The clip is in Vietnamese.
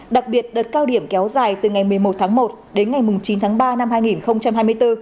đặc biệt đợt cao điểm kéo dài từ ngày một mươi một tháng một đến ngày chín tháng ba năm hai nghìn hai mươi bốn